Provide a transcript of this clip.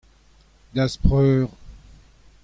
da'z preur.